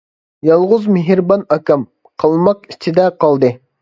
يالغۇز مېھرىبان ئاكام، قالماق ئىچىدە قالدى.